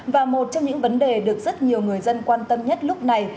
và một trong những vấn đề được rất nhiều người dân quan tâm nhất lúc này